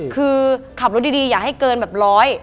คือขับรถดีอย่าให้เกินแบบร้อย